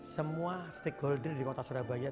semua stakeholder di kota surabaya